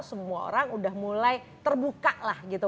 semua orang udah mulai terbuka lah gitu